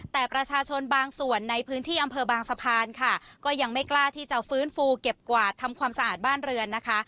แต่ประชาชนบางส่วนในพื้นที่อำเภอบางสะพานค่ะก็ยังไม่กล้าที่จะฟื้นฟูเก็บกวาดทำความสะอาดบ้านเรือนนะคะ